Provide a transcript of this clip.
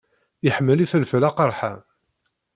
Iḥemmel ifelfel aqerḥan.